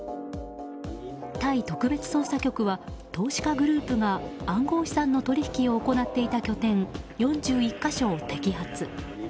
タイ特別捜査局は投資家グループが暗号資産の取引を行っていた拠点４１か所を摘発。